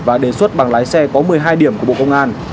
và đề xuất bằng lái xe có một mươi hai điểm của bộ công an